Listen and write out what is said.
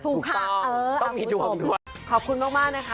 ถูกต้อง